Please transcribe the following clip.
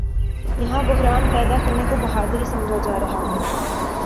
یہاں بحران پیدا کرنے کو بہادری سمجھا جا رہا ہے۔